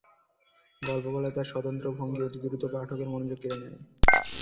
গল্প বলায় তাঁর স্বতন্ত্র ভঙ্গি অতি দ্রুত পাঠকের মনোযোগ কেড়ে নেয়।